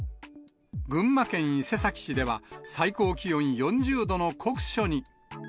群馬県伊勢崎市では、最高気温４０度の酷暑に。